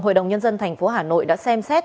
hội đồng nhân dân thành phố hà nội đã xem xét